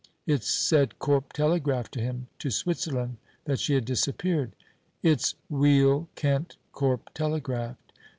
It's said Corp telegraphed to him to Switzerland that she had disappeared. It's weel kent Corp telegraphed.